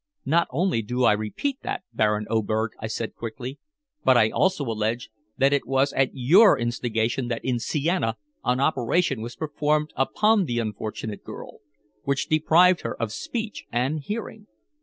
"Not only do I repeat that, Baron Oberg," I said quickly. "But I also allege that it was at your instigation that in Siena an operation was performed upon the unfortunate girl which deprived her of speech and hearing."